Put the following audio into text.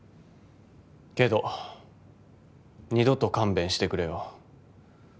けど二度と勘弁してくれよ。